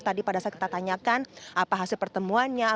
tadi pada saat kita tanyakan apa hasil pertemuannya